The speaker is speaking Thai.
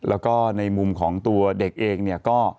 แล้วก็ในมุมของตัวเด็กเองเนี่ยก็